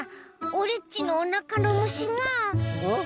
オレっちのおなかのむしがならないの！